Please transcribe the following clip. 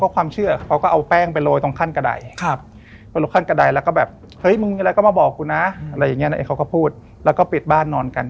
เขาก็พูดแล้วก็ปิดบ้านนอนกัน